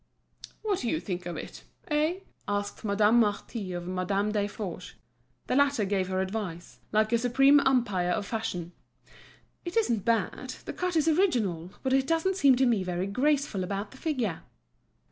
"What do you think of it—eh?" asked Madame Marty of Madame Desforges. The latter gave her advice, like a supreme umpire of fashion. "It isn't bad, the cut is original, but it doesn't seem to me very graceful about the figure."